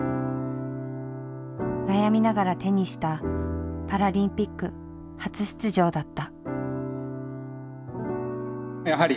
悩みながら手にしたパラリンピック初出場だった。